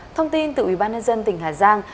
thông tin từ ubnd tỉnh hà giang